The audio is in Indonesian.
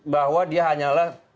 bahwa dia hanyalah